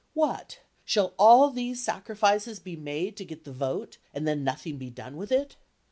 What! Shall all these sacrifices be made to get the vote and then nothing be done with it?